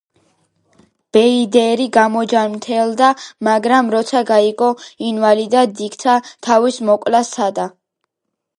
ბეიდერი გამოჯანმრთელდა, მაგრამ როცა გაიგო, ინვალიდად იქცა, თავის მოკვლა სცადა.